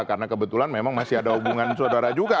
karena kebetulan memang masih ada hubungan saudara juga